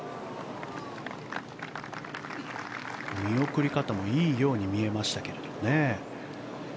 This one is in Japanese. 見送り方もいいように見えましたけれどね。